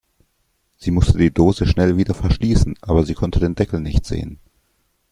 Sie musste die Dose schnell wieder verschließen, aber sie konnte den Deckel nicht sehen.